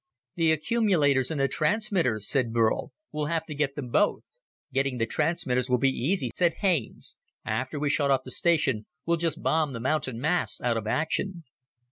"The accumulators and the transmitters," said Burl. "We'll have to get them both." "Getting the transmitters will be easy," said Haines. "After we shut off the station, we'll just bomb the mountain masts out of action."